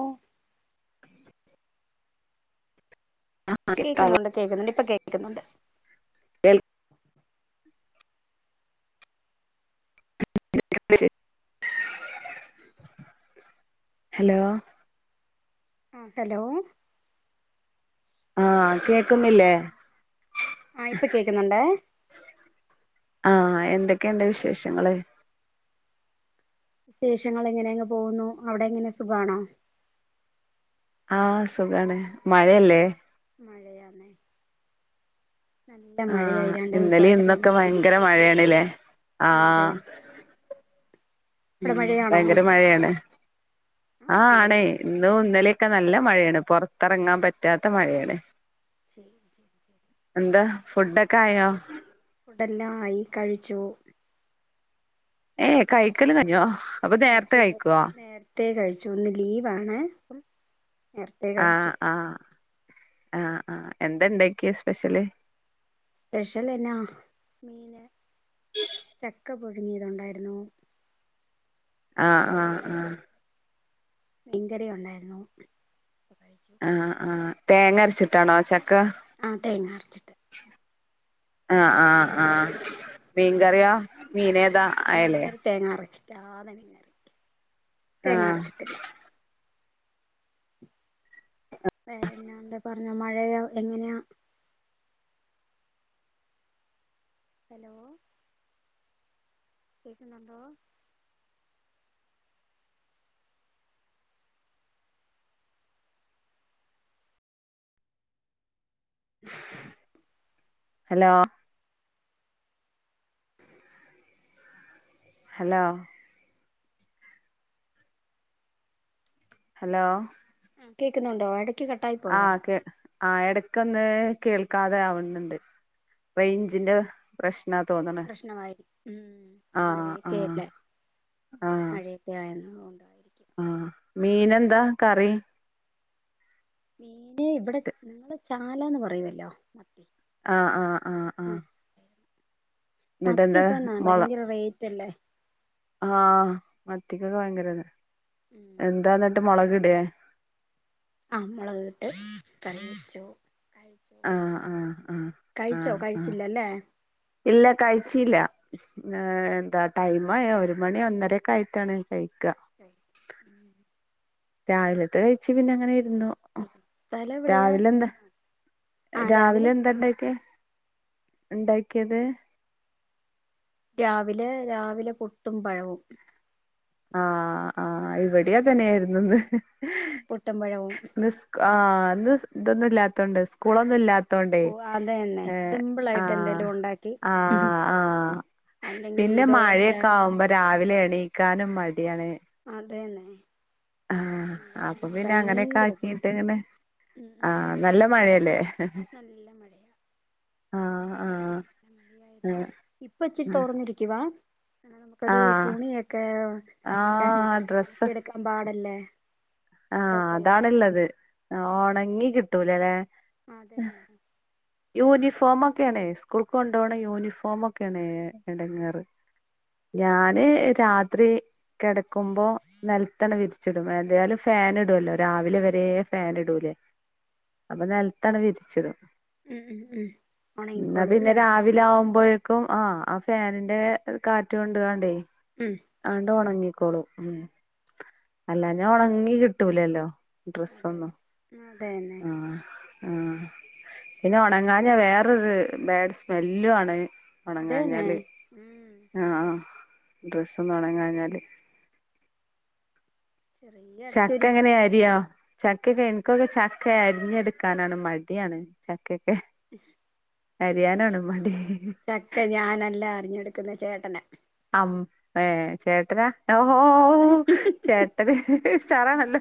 ഓ കേൾക്കാവോ കേക്കുന്നുണ്ട് കേക്കുന്നുണ്ട് ഇപ്പൊ കേക്കുന്നുണ്ട് ഹലോ ഉം ഹലോ ആഹ് കേക്കുന്നില്ലേ ആഹ് ഇപ്പൊ കേക്കുന്നുണ്ടേ ആഹ് എന്തൊക്കെയുണ്ട് വിശേഷങ്ങള് വിശേഷങ്ങളങ്ങനെയങ്ങ് പോകുന്നു അവിടെ എങ്ങനെ സുഖമാണോ ആഹ് സുഖാണ് മഴയല്ലേ മഴയാണ് ആഹ് രണ്ടു ഇന്നലേം ദിവസമായിട്ട് നല്ല ഇന്നൊക്കെ ഭയങ്കര മഴയേണ്ല്ലേ അതെ ആഹ് അവിടെ ഉം മഴയാണോ ഭയങ്കര മഴയാണ് ആ ആഹ് മഴ ആണേ തന്നെ ഇന്നൂ ഇന്നലെയൊക്കെ നല്ല മഴയാണ് പൊറത്തറങ്ങാൻ പറ്റാത്ത മഴയാണ് ശരി ശരി ശരി എന്താ ഫുഡൊക്കെ ആയോ ഫുഡ് എല്ലാം ആയി കഴിച്ചു ഏയ് കഴിക്കലും കഴിഞ്ഞോ അപ്പൊ നേരത്തെ കഴിച്ചു കഴിക്കോ കുറച്ച് നേരത്തെ കഴിച്ചു ഇന്ന് ലീവാണ് നേരത്തെ ആഹ് കഴിച്ചു ആഹ് ആഹ് ആഹ് എന്താ ഉണ്ടാക്കിയ സ്പെഷ്യല് സ്പെഷ്യൽ എന്നാ മീന് ചക്ക പ പുഴുങ്ങിയതുണ്ടായിരുന്നു ആഹ് ആഹ് ആഹ് മീൻകറി ഉണ്ടായിരുന്നു ആഹ് ആഹ് തേങ്ങ അരച്ചിട്ടാണോ ചക്ക ആഹ് തേങ്ങ അരച്ചിട്ട് ആഹ് ആഹ് ആഹ് മീൻകറിയോ മീൻ ഏതാ മീൻക്കറി തേങ്ങ അരച്ചിട്ടല്ലാതെ മീൻകറി തേങ്ങ ആഹ് അരച്ചിട്ടില്ല വേറെന്താണ്ട് പറഞ്ഞോ മഴയോ എങ്ങനെയാ ഹലോ കേക്കുന്നുണ്ടോ ഹലോ ഹലോ ഹലോ ആഹ് കേൾക്കുന്നുണ്ടോ അടുത്ത ആഹ് കേ ആഹ് ഇടയ്ക്ക് ഒന്ന് കേൾക്കാതെ ആവുന്നുണ്ട് റേഞ്ചിന്റെ പ്രശ്നാ തോന്നണു പ്രശ്‌നായിരിക്കും ഉം ആഹ് മഴയൊക്കെല്ലേ ആഹ് മഴയൊക്കെ ആയിരുന്നു കൊണ്ടായിരിക്കും ആഹ് മീൻ എന്താ കറി മീന് ഇവിടെ നിങ്ങള് ചാളാന്ന് പറയുവല്ലോ മത്തി ആഹ് ആഹ് ആഹ് ആഹ് മത്തി എന്നിട്ടെന്താ ഇപ്പ എന്നാ മൊള ഭയങ്കര റേറ്റ് അല്ലേ ആഹ് മത്തിക്കൊക്കെ ഭയങ്കര താ. ഉം എന്താ ന്നട്ട് മുളക് ടെ. ആഹ് മുളകിട്ട് കറി വെച്ചു. കഴിച്ചു. ആഹ് ആഹ് ആഹ് കഴിച്ചോ. ആഹ് ആഹ് കഴിച്ചില്ലല്ലേ. ഇല്ല കഴിച്ചില്ല. ഏഹ് എന്താ ടൈം ആയ ഒരു മണി ഒന്നരക്കെ ആയിട്ടാണ് കഴിക്ക. കഴിക്ക. ഉം രാവിലത്തെ കഴിച്ച് പിന്നെ അങ്ങനെ ഇരുന്നു. ആഹ്. സ്ഥലം എവിടെയാ രാവിലെ ന്താ രാവിലെ എന്താ ഇണ്ടാക്കിയേ. ഇണ്ടാക്കിയത്. രാവിലെ രാവിലെ പുട്ടും പഴവും. ആഹ് ആഹ് ഇവിടേം അത് തന്നെ ആയിരുന്നു ഇന്ന്. പുട്ടും പഴവും. ഇന്ന് സ്കൂ ആഹ് ഇന്ന് ഇതൊന്നും ഇല്ലാത്തോണ്ട്. സ്കൂളൊന്നും ഇല്ലാ ത്തോണ്ടേ. അതന്നെ ഏഹ് സിമ്പിൾ ആയിട്ട് ആഹ് എന്തേലും ഉണ്ടാക്കി ആഹ് ആഹ് അല്ലെങ്കി ഈ പിന്നെ ദോശ മഴക്കെ ആകുമ്പോ രാവിലെ എണീക്കാനും മടിയാണ്. അതെന്നെ. ആഹ് അപ്പൊ പിന്നെ അങ്ങനെക്കെ ഭയങ്കര ആക്കിട്ട് ഇങ്ങനെ. ഉം ഉം ആഹ് നല്ല മഴയല്ലേ. നല്ല മഴയാ ആഹ് ആഹ് നല്ല മഴയായിരുന്നു. ആഹ് ഇപ്പ ഇച്ചിരി തോർന്നിരിക്കുവാ. എന്താ നമുക്കത് ആഹ് തുണിയൊക്കെ ഇടാന് ആഹ് ഡ്രസ്സ് ഉണക്കി എടുക്കാൻ പാടല്ലേ. ആഹ് ഡ്രസ്സെല്ലാം അതാണ്ള്ളത്. ഒണങ്ങി കിട്ടൂല ലേ. അതെന്നെ യൂണിഫോമ ക്കെണേ. സ്കൂൾ കൊണ്ടൊണ യൂണിഫോമ ക്കെണേ എടങ്ങാറ്. ഞാന് രാത്രി കിടക്കുമ്പോ നെൽത്തണ്ട് വിരിച്ചിടും. എന്തായാലും ഫാന് ഇടൊല്ലോ. രാവിലെ വരെ ഫാന് ടൂലേ. അപ്പൊ നെൽത്താണ് വിരിച്ച്ടും. ഉം. ഉം. ഉം. ന്നാ ഉണങ്ങിക്കോളൂ പിന്നെ അല്ലേ രാവിലെ ആവുമ്പോഴേക്കും ആഹ് ആ ഫാനിന്റെ കാറ്റ് കൊണ്ട് ങ്ങാണ്ടേ ഉം ആണ്ട് ഉണങ്ങിക്കോളും. ഉം. അല്ലാ ഞാ ഒണങ്ങി കിട്ടൂലല്ലോ. അതെ ഡ്രസ്സൊന്നു. അതെ അതന്നെ ആഹ് ആഹ്. പിന്നെ ഒണങ്ങാഞ്ഞ വേറരു ബാഡ് സ്മെല്ലു ആണ്. അതന്നെ ഒണങ്ങാഞ്ഞാല്. ഉം ആഹ് ഡ്രസ്സന്ന് ഒണങ്ങാഞ്ഞാല്. ചെറിയ ചക്ക ഇടക്കൊരു ങ്ങനെ അരിയൊ. ചക്കക്കെ എനിക്കൊക്കെ ചക്ക അരിഞ്ഞെടുക്കാനാണ് മടിയാണ്. ചക്കക്കെ. ഉം' അരിയാനാണ് മടി. ചക്ക ഞാനല്ല അറിഞ്ഞെടുക്കുന്നത്. ചേട്ടന ആം ഏഹ് ചേട്ടനാ. ഓഹ് ഓഹ് ഓഹ് ചേട്ടന് ഷാറാണല്ലോ.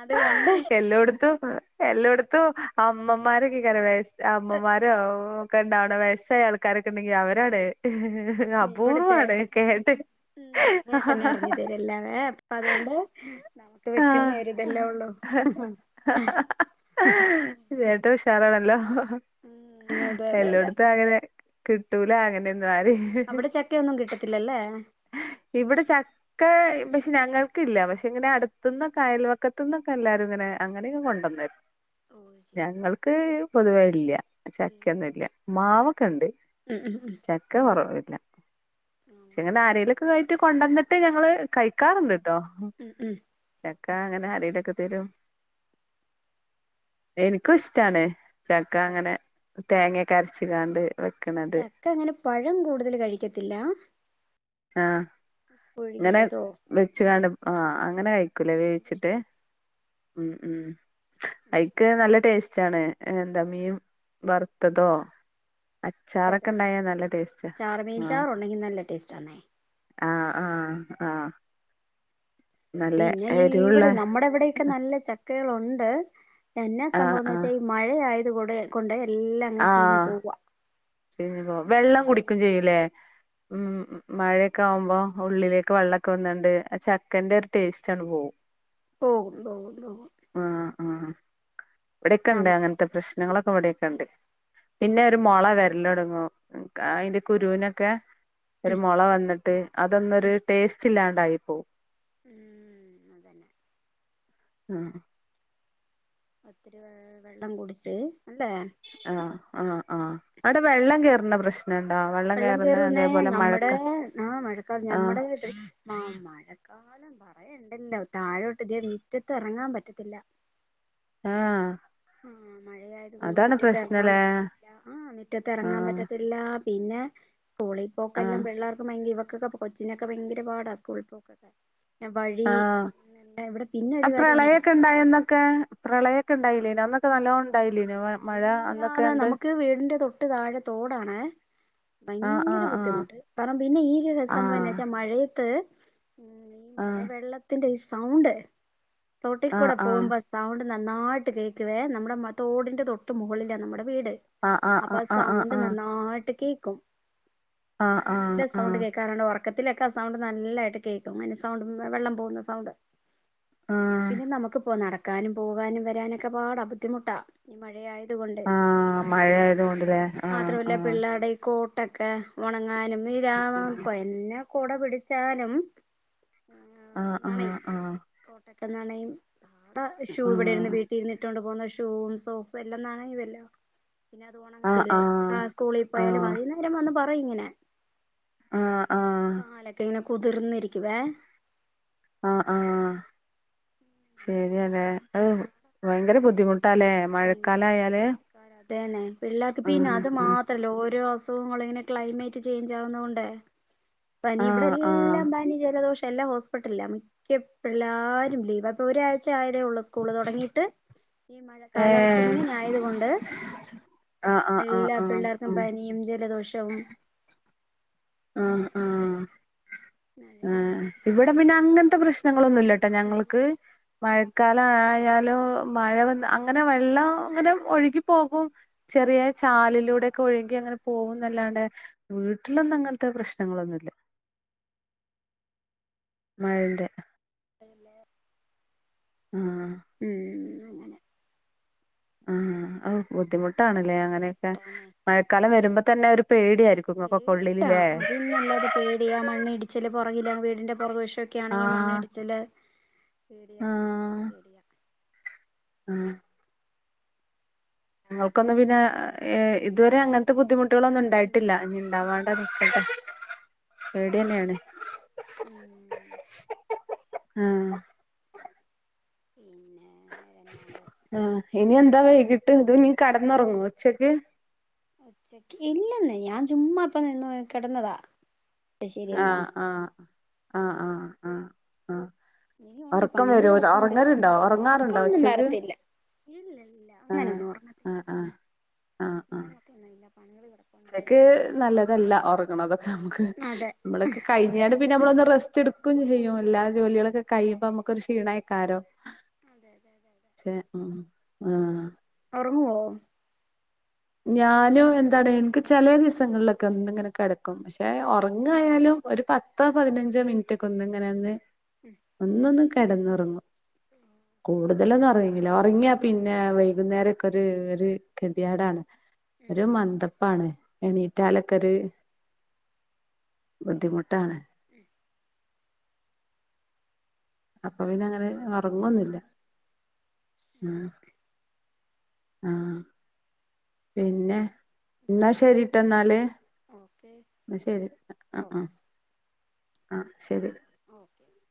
അതുകൊണ്ട് ഹെഹ് എല്ലോടത്തും. എല്ലോടത്തും അമ്മമാരക്കീ കാരം വേ അമ്മമാരൊ ക്കെ ഇണ്ടാവണ. വയസ്സായ ആൾക്കാരൊക്കെ ണ്ടെങ്കി അവരാണ്. ഹേ ഹേ ഹേ നീ ഇവിട്ത്തെ ഏട്ടൻ കേട്ട് എല്ലാ അപ്പൊ അതുകൊണ്ട് നമുക്ക് ആഹ് വെക്കുന്ന ഒര് ഇതെല്ലാ ഉള്ളു ചേട്ടൻ ഉഷാറാണല്ലോ ഉം അതെ അതെ അതെ എല്ലോട്ത്തും അങ്ങനെ കിട്ടൂല അങ്ങനെഒന്നും ആരേം അവിടെ ചക്കയൊന്നും കിട്ടത്തില്ലല്ലേ ഇവിടെ ചക്ക പക്ഷെ ഞങ്ങൾക്കല്ല പക്ഷെ ഇങ്ങനെ അടു ന്നൊക്ക അയൽവക്കത്തുന്നൊക്കെ എല്ലാരും ഇങ്ങനെ അങ്ങനെയൊക്കെ കൊണ്ടന്നരും ഓ ശരി ഞങ്ങൾക്ക് ക്ക് പൊതുവേ അത്ല്ല ചക്കൊന്നും ഇല്ല. മാവൊക്കെ ഉണ്ട്. ഉം ഉം ഉം ചക്ക കുറവില്ല ആ അങ്ങനെ ആരേലൊക്കെ ആയിട്ട് കൊണ്ടുവന്നിട്ട് ഞങ്ങള് കഴിക്കാറുണ്ട്ട്ടോ ഉം ഉം ചക്ക അങ്ങനെ ആരേലൊക്കെ തരും എനിക്കും ഇഷ്ടാണ് ചക്ക അങ്ങനെ തേങ്ങൊക്കെ അരച് കാണ്ട് വെക്ണത് ക്ക അങ്ങനെ പഴം കൂടുതൽ കഴിക്കത്തില്ല ആഹ് ഉ ഇങ്ങനെ വെച്ച്കാണ്ട് ആ അങ്ങനെ കയിക്കൂലേ അതാവുമ്പോ വേവിച്ചിട്ട് ഇഷ്ടം മം മം ഉം അതിക്ക് നല്ല ടേസ്റ്റ് സ്റ്റാണ് എന്താ മീൻ വറുത്തതോ അതെ അതെ അച്ചാറൊക്കെ അതെ ഉണ്ടായാ നല്ല ടേസ്റ്റ്. ചാറുമീൻ ആഹ് ചാറുണ്ടെങ്കി നല്ല ടേസ്റ്റാണേ ആഹ് ആഹ് ആ പിന്നെ ഈ എരിവുള്ള ഇവിടെ നമ്മുടെ എവിടെ നല്ല ചക്കകൾഒണ്ട് എന്നാ ആഹ് സംഭവംന്ന് ആഹ് വെച്ചാൽഈ മഴ ആയത് കൂടെ കൊണ്ടേയഎല്ല ആഹ് ചീഞ്ഞ് പോം. വെള്ളം എല്ല കുടിക്കും ചെയ്യുലേ മം മഴയൊക്കെ ആവുമ്പോ ഉള്ളിലേക്ക് വെള്ളക്കെ വന്നണ്ട് ആ ചക്കന്റെ ഒരു ടേസ്റ്റ് അങ്ങട് പോവും ഓഹ് [unintelligible] ആ ആ ഇവിടെക്കെണ്ട് നമുക്ക് അങ്ങനത്തെ പ്രശ്നങ്ങളൊക്കെ ഉം ഇവടെക്കെണ്ട് പിന്നെ ഒരു ഉം മൊള വരലതോടങ്ങും അയിന്റെ കുരുവിനൊക്കെ ഉം ഒരു മൊള വന്നിട്ട് അതൊന്നൊരു ടേസ്റ്റ് ഇല്ലാണ്ടായി പോവും മ് അതെന്നെ ആഹ് ഒത്തിരി വെള്ള് വെള്ളം കുടിച്ച് അല്ലേ ആഹ് ആ ആ അവ്ടെ വെള്ളം കേറ്ന്ന പ്രശ് നണ്ടൊ വള് വെള്ളം കേറുന്നേ നമ്മ്ടെ ആഹ് മഴക്കാലം ആഹ് ഞമ്മടെ ആഹ് മഴക്കാലം പറയണ്ടല്ലോ താഴോട്ട് തേ മിറ്റത്ത് എറങ്ങാൻ പറ്റത്തില്ല ആഹ് ആ മഴയായത്കൊണ്ട് അതാണ് മിറ്റത്ത്ഇറങ്ങാൻ പ്രശ്നല്ലേ പറ്റ്ന്നില്ല ആ മിറ്റത്തെറങ്ങാൻ ആഹ് പറ്റത്തില്ല ല്ലാ പിന്നെ സ്കൂളിൽ ആഹ് പോക്കെല്ലാം പിള്ളേർക്കും ഭയങ്കിഇവക്കൊക്കെ കൊച്ചിനൊക്കെ ഭയങ്കര പാടാ സ്കൂളിൽ പോക്കൊക്കെ ന്നെ വഴീ എ വ്ടെ പിന്നെ ഒരു കാര്യൊ ണ്ട് എന്താ എന്താ ക്ക പ്രളയൊക്കെ ണ്ടായില്ലേ നോ അന്നൊക്കെ നല്ലോ ണ്ടായില്ലേനൊ വേ പിന്നെല്ലാതെ നമുക്ക് വീടിന്റെ തൊട്ട് താഴെ തോടാണ് ആഹ് ഭയങ്കര ആഹ് ആഹ് ബുദ്ധിമുട്ട് പറമ്പന്പിന്നെ ഈ ഒരു സംഭവന്നാച്ചാൽ മഴയത്ത് മ് ഈ മഴ ആഹ് വെള്ളത്തിന്റെ സൗണ്ട് ആഹ് തോട്ടീക്കൂടെ പോവ്മ്പോ ആഹ് സൗണ്ട് നന്നായിട്ട് കേക്കുവേ നമ്മടെ മ തോടിൻ്റെ തൊട്ട് മുകളിലാ നമ്മ്ടെ വീട് ആഹ് അപ്പത് ആഹ് ആഹ് സൗണ്ട് നല്ലായിട്ട് കേക്കും ആഹ് ആഹ് ആഹ് ആഹ് നല്ല ആഹ് സൗണ്ട് കേക്കാറ് ണ്ടൊർ ക്കത്തിലൊക്കെ സൗണ്ട് നല്ലായിട്ട് കേക്കും അങ്ങനെ സൗണ്ട് വെള്ളം പോകുന്ന സൗണ്ട് ആഹ് ആഹ് പിന്നെ നമുക്കിപ്പോ നടക്കാനും പോകാനും വരാനൊക്കെ പാടാ ബുദ്ധിമുട്ടാ ഈ മഴയായതുകൊണ്ട് ആഹ് മ് മഴയായത് കൊണ്ട്ല്ലേ ആഹ് മാത്രമല്ല ആഹ് പിള്ളേരുടെ ഈ കോട്ടൊക്കെ ഒണങ്ങാനുംവൈലാം കൊയഞ കൊട പിടിച്ചാലും ആഹ് ആഹ് ആഹ് കോട്ട് ഒക്കെ നനയും പ്പ ഷൂ ആഹ് വിടെരിന്ന് വിട്ടീന്ന് ഇട്ടേണ്ട് പൊന്ന ഷൂം സോക്സ് എല്ലാം നനയൊല്ലോ പിന്നെ അത് ആഹ് ഒണങ്ങത്തിലെ കാ ആഹ് സ്കൂളിൽ പോയാലും ആഹ് വൈന്നേ രം വന്ന് പറയ് ഇങ്ങനെ ആഹ് ആഹ് കാലൊക്കെങ്ങനെ കുതിർന്നിരിക്കുവേ ആഹ് ആഹ് ശെരിയാലേ അത് ഭയങ്കര ബുദ്ധിമുട്ടാലേ മഴക്കാലായാല് കാല അതെന്നെ പിള്ളേർക്ക് പി ന്നെ ആഹ് അത് ആഹ് മാത്രല്ല ഓരോ അസുഖങ്ങളും ഇങ്ങനെ ക്ലൈമെറ്റ് ചേയ്ഞ്ചാ ആവുന്നൊണ്ടെ പനി ആഹ് ആഹ് ഇവിടെല്ലാം പനി ജലദോഷം എല്ലാം ഹോസ്പിറ്റലില്ലാ മീ ക്കപിള്ളാരും ലീവാ പ്പൊ ഒരാഴ്ച്ച ആയതേ ഒള്ളൂ സ്കൂള് തൊടങ്ങിയിട്ട് ഈ മഴ കാലാവസ്ഥ ഏഹ് ഇങ്ങിനെ ആയത് കൊണ്ട് ആഹ് ആഹ് ആഹ് എല്ലാ ആഹ് പിള്ളേർക്കും പനിയും ജലദോഷവും ആഹ് ആഹ് മഴയായത് ഏഹ് കൊണ്ടാണ് ഇവിടെ പിന്നെ അങ്ങൻത്തെ പ്രശ്നങ്ങളൊന്നുല്ല ട്ട ഞങ്ങൾക്ക് ഉം മഴക്കാ ലആയാലും മഴ വന്ന് അങ്ങനെ വെള്ളം അങ്ങനെ ഒഴുകിപ്പോകും ചെറിയ ചാലിലൂടെക്കെ ഒഴുകി അങ്ങനെ പോകുന്നല്ലാണ്ട് വീട്ടിലൊന്നുംങ്ങൻ ത്ത പ്രശ്നങ്ങളൊന്നു ല്ല മഴൻ്റെ [unintelligible] ആഹ് ഉം ആഹ ബുദ്ധിമുട്ടാണ്ല്ലേ അങ്ങനെയൊക്കെ ബുദ്ധിമുട്ടാന്നേ മഴക്കാലം വരുമ്പോ തന്നെ ഒരു പേടിയായിരിക്കും ഇങ്ങക്കൊക്കെ പേടിയാ ഉള്ളിലില്ലേ അത് പിന്നെല്ലാതെ. പേടിയാ. മണ്ണിടിച്ചില് പൊറകില് വീടിന്റെ പൊറക് വശം ഒക്കെയാണെങ്കില് ആഹ് മണ്ണിടിച്ചില്. പേടിയണെ ആഹ് പേടിയ ആഹ് ഞങ്ങക്കൊന്നും പിന്നെ ഇ ഇതുവരെ അങ്ങനത്തെ ബുദ്ധിമുട്ടുകളൊന്നും ഉം ഉണ്ടായിട്ടില്ല ഇനി ഉണ്ടാവാ [unintelligible] പേടി എന്നെയാണ് ഉം ആഹ് പിന്നെ വേറെന്നാണ്ട് ആഹ് ഇനി എന്താ വൈകീട്ട്? ഇത് ഇന്നി കെടന്ന് ഒറങ്ങോ ഉച്ചെക്ക്? ഉച്ചക്ക് ഇല്ലെന്നേ ഞാൻ ചുമ്മ ഇപ്പ നിന്നു പോയി കിടന്നതാ ശരിയാ ആഹ് ആഹ് ആഹ് ആഹ് ആഹ് ആഹ് ഇനിയുണ്ട് ഒറക്കം പണികൾ വരോ? കിടപ്പുണ്ട് ഒറങ്ങലുണ്ടോ ഒറങ്ങാറുണ്ടോ ഉച്ചക്ക്? ഇല്ലലില്ല. അങ്ങനെ ആഹ് ഒന്നും ഒറ്ങ്ങത്തില്ല. ആഹ് ആഹ് ആഹ് ആഹ് തുണയില്ല പണികള് കെടക്ക്. ഉച്ചെക്ക് നല്ലതല്ല, ഒറ്ങ്ങ്ണതൊക്കെ നമ്മക്ക്. അതെ നമ്മളൊക്കെ കഴിഞ്ഞാണ്ട് പിന്നെ നമ്മളൊന്ന് റെസ്റ്റെടുക്കും ചെയ്യും എല്ലാ ജോലികളക്കെ കഴിമ്പോ നമുക്കൊരുക്ഷീണാക്കാരം [inaudible] അതെ അതെ അതെ അതെ ചേ ഉം ആഹ് ഒറങ്ങോ? ഞാനും എന്താണ് ഇൻക്ക് ചെലെ ദിവസങ്ങളിലൊക്കെ ഒന്നിങ്ങനെ കെടക്കും പക്ഷെ ഒറങ്ങയാലും ഒരു പത്തോ പതിനഞ്ചോ മിനിറ്റ് ഒക്കെ ഒന്ന് ഇങ്ങനെന്ന് ഉം ഒന്നൊന്ന് കെടന്നൊറങ്ങും കൂടു ഇന്നലൊന്നും ഒറങ്ങിര്ന്നില്ല ഒറങ്ങിയ പിന്നെ വൈകുന്നേരക്കെ ഒരു ഒരു കെതിയേടാണ്. ഉം ഒരു ഉം മന്ദപ്പാണ് എണീറ്റാലൊക്കെര് ബുദ്ധിമുട്ടാണ്. ഉം അപ്പ പിന്നെ അങ്ങനെ ഒറ്ങ്ങൊന്നില്ല. അങ്ങനെ ആഹ്. ആഹ് പിന്നെ എന്നാ ശെരിട്ടോ എന്നാല് ഓക്കെ എന്ന ശരി ഓ ആഹ് ആഹ് ആഹ് ശരി [inaudible]